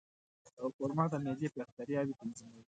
خرما د معدې باکتریاوې تنظیموي.